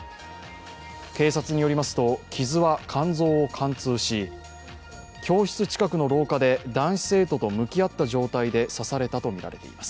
警察によりますと傷は肝臓を貫通し、教室近くの廊下で、男子生徒と向き合った状態で刺されたとみられています。